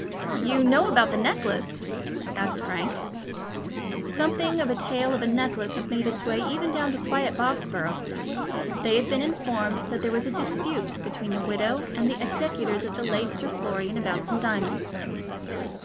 "You know about the necklace?" asked Frank. Something of a tale of a necklace had made its way even down to quiet Bobsborough. They had been informed that there was a dispute between the widow and the executors of the late Sir Florian about some diamonds.